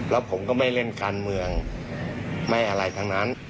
แล้วผมก็ไม่เล่นการเมืองไม่อะไรทั้งนั้น